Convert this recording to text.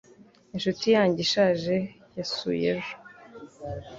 Inshuti yanjye ishaje yasuye ejo.